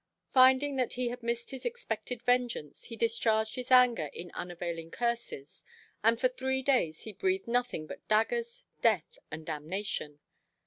Finding that he had missed his expected vengeance, he discharged his anger in unavailing curses, and for three days he breathed nothing but daggers, death, and damnation.